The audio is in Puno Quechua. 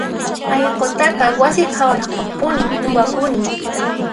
Allqutaqa wasi qhawanampaqmi uywakuni.